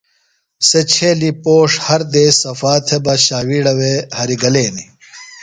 سےۡ چھیلیۡ پوݜ ہر دیس صفا تھےۡ بہ ݜاوِیڑے ہریۡ گلینیۡ۔